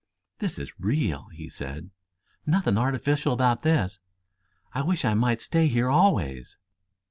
"This is real," he said. "Nothing artificial about this. I wish I might stay here always."